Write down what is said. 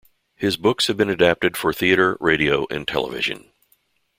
His books have been adapted for theatre, radio and television.